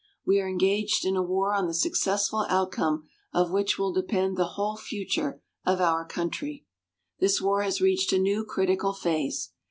We are engaged in a war on the successful outcome of which will depend the whole future of our country. This war has reached a new critical phase.